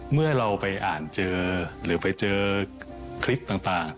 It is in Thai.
เมื่อเราไปอ่านเจอหรือไปเจอคลิปต่าง